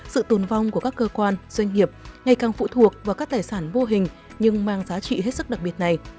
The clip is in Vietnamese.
sự tồn vong của các cơ quan doanh nghiệp ngày càng phụ thuộc vào các tài sản vô hình nhưng mang giá trị hết sức đặc biệt này